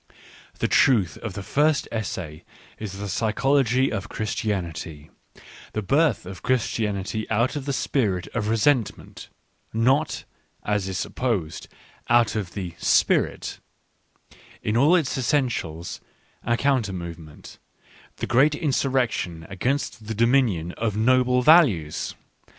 The truth of the first essayls the~psych61ogy of Chris tianity : the birth of Christianity out of the spirit of resentment, not, as is supposed, out of the " Spirit," — in all its essentials, a counter movement, the great insurrection against the dominion of noble values.